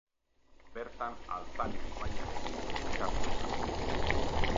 Bertan Altzania ibaiarekin elkartzen da.